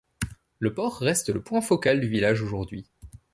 Le port reste le point focal du village aujourd'hui.